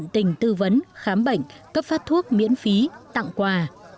tình tư vấn khám bệnh cấp phát thuốc miễn phí tặng quà